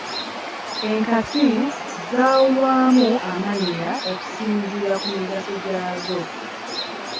Enkasi zaawulwamu amannya okusinziira ku migaso gyazo.